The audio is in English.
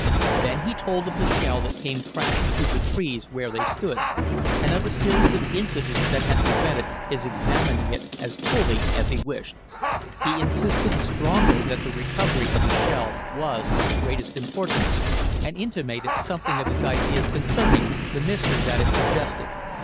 Then he told of the shell that came crashing through the trees where they stood, and of the series of incidents that had prevented his examining it as fully as he wished. He insisted strongly that the recovery of the shell was of the greatest importance, and intimated something of his ideas concerning the mystery that it suggested.